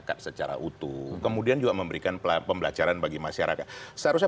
masyarakat secara utuh kemudian juga memberikan pembelajaran bagi masyarakat seharusnya